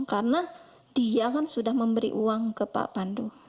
karena dia kan sudah memberi uang ke pak pandu